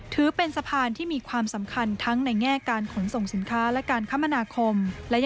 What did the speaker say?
ถือเป็นสะพานที่มีความสำคัญทั้งในแง่การขนส่งสินค้าและการคมนาคม